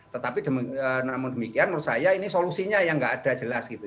tetapi namun demikian menurut saya ini solusinya yang nggak ada jelas gitu